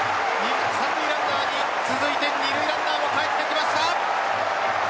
三塁ランナーに続いて二塁ランナーもかえってきました。